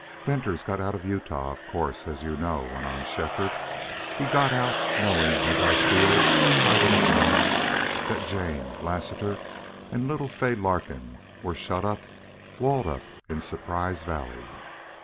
"Venters got out of Utah, of course, as you know," went on Shefford. "He got out, knowing as I feel I would have known that Jane, Lassiter, and little Fay Larkin were shut up, walled up in Surprise Valley.